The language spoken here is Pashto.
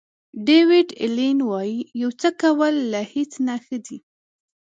ډیویډ الین وایي یو څه کول له هیڅ نه ښه دي.